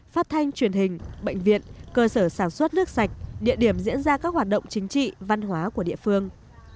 phát thanh truyền hình bệnh viện cơ sở sản xuất nước sạch địa điểm diễn ra các hoạt động chính trị văn hóa của địa phương